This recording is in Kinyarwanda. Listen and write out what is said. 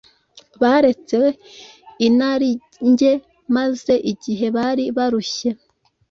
Baretse inarinjye maze igihe bari barushye,